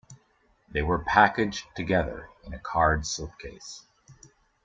They were packaged together in a card slipcase.